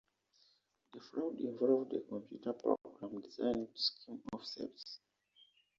The fraud involved a computer program designed to skim off sales.